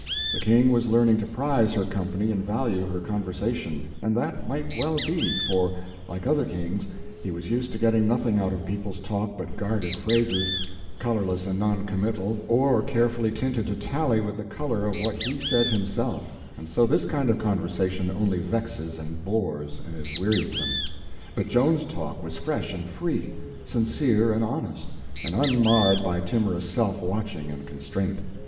The King was learning to prize her company and value her conversation; and that might well be, for, like other kings, he was used to getting nothing out of people's talk but guarded phrases, colorless and non committal, or carefully tinted to tally with the color of what he said himself; and so this kind of conversation only vexes and bores, and is wearisome; but Joan's talk was fresh and free, sincere and honest, and unmarred by timorous self watching and constraint.